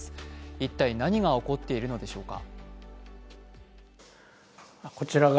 一体、何が起こっているのでしょうか。